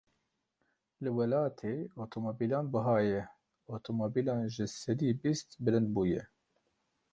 Li welatê otomobîlan bihayê otomobîlan ji sedî bîst bilind bûye.